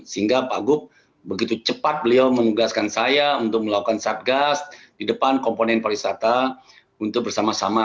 sehingga pak gup begitu cepat beliau menugaskan saya untuk melakukan satgas di depan komponen pariwisata untuk bersama sama